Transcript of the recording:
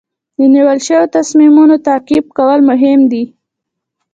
د نیول شوو تصمیمونو تعقیب کول مهم دي.